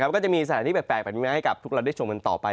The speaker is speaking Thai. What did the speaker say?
ก็จะมีสถานที่แปลกให้กลับทุกคนได้ชมกันต่อไป